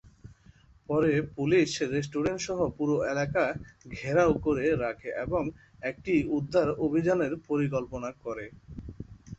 পরে police restaurant সহ পুরো এলাকা ঘেরাও করে রাখে এবং একটি উদ্ধার অভিযানের পরিকল্পনা করে।